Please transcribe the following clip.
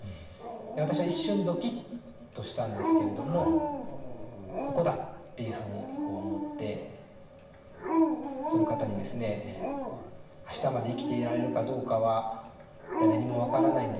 で私は一瞬ドキッとしたんですけれども「ここだ」っていうふうにこう思ってその方にですね「あしたまで生きていられるかどうかは誰にも分からないんですよ